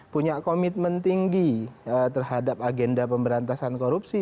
punya komitmen tinggi terhadap agenda pemberantasan korupsi